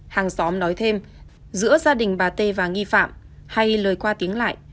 hàng xóm nói thêm giữa gia đình bà t và nghi phạm hay lời qua tiếng lại